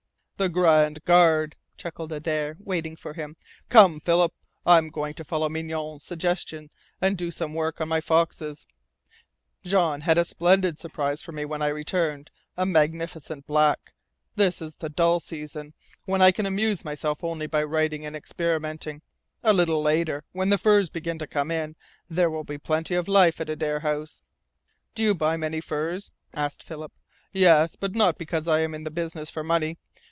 "The Grand Guard," chuckled Adare, waiting for him. "Come, Philip. I'm going to follow Mignonne's suggestion and do some work on my foxes. Jean had a splendid surprise for me when I returned a magnificent black. This is the dull season, when I can amuse myself only by writing and experimenting. A little later, when the furs begin to come in, there will be plenty of life at Adare House." "Do you buy many furs?" asked Philip. "Yes. But not because I am in the business for money.